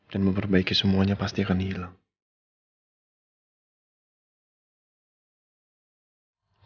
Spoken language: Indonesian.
dan memperbaiki semuanya pasti akan hilang